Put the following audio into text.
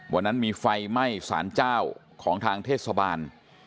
วันนั้นมีไฟไหม้สารเจ้าของทางเทศบาล